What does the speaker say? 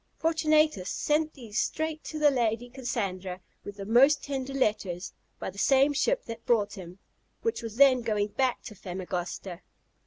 Fortunatus sent these straight to the Lady Cassandra, with the most tender letters, by the same ship that brought him, which was then going back to Famagosta.